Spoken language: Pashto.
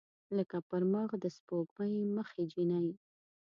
لکه پر مخ د سپوږمۍ مخې جینۍ